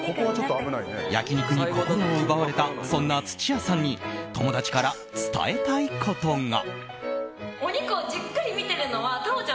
焼き肉に心を奪われたそんな土屋さんに友達から伝えたいことが。